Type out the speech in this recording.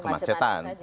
kemacetannya saja ya